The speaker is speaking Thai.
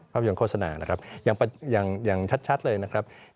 ภาพยนตร์โฆษณานะครับอย่างชัดเลยนะครับ